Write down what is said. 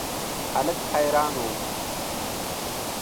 هلک حیران و.